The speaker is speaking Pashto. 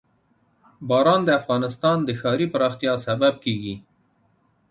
باران د افغانستان د ښاري پراختیا سبب کېږي.